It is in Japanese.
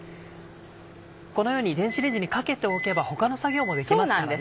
このように電子レンジにかけておけば他の作業もできますからね。